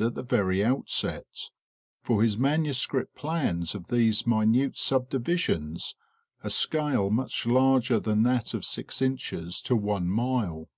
at the very outset, for his manuscript plans of these minute subdivisions, a scale much larger than that of six inches to one mile.